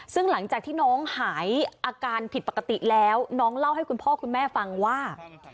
ซึ่งหลังจากที่น้องหายอาการผิดปกติแล้วน้องเล่าให้คุณพ่อคุณแม่ฟังว่า